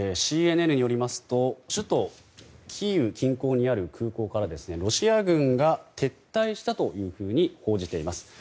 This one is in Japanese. ＣＮＮによりますと首都キーウ近郊にある空港からロシア軍が撤退したと報じています。